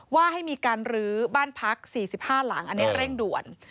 ว่าให้มีการลื้อบ้านพัก๔๕หลังอันนี้เร่งด่วน